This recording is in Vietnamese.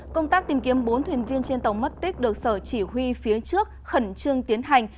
công tác tìm kiếm bốn thuyền viên trên tàu mất tích được sở chỉ huy phía trước khẩn trương tiến hành